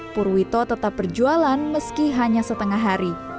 purwito tetap berjualan meski hanya setengah hari